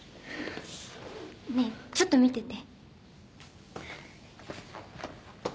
ねえちょっと見てて。